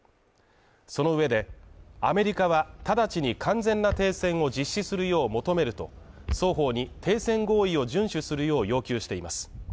その上で、アメリカは直ちに完全な停戦を実施するよう求めると双方に停戦合意を順守するよう要求しています。